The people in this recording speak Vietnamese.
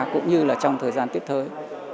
cũng như trong thời gian tiếp tới